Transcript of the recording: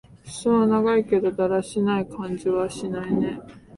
すそは長いけど、だらしない感じはしないね。